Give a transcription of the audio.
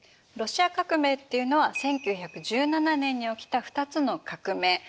ロシア革命っていうのは１９１７年に起きた二つの革命。